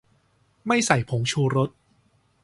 ไม่ใส่ผงชูรส